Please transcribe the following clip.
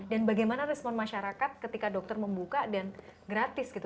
dan bagaimana respon masyarakat ketika dokter membuka dan gratis gitu